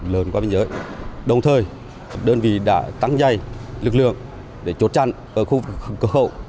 lớn qua biên giới đồng thời đơn vị đã tăng dày lực lượng để chốt chặn ở khu vực cửa khẩu